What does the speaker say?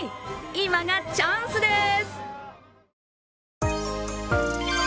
今がチャンスです。